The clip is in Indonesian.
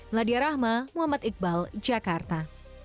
meladia rahma muhammad iqbal jakarta